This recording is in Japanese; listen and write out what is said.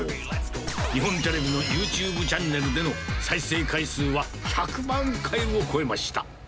日本テレビのユーチューブチャンネルでの再生回数は、１００万回を超えました。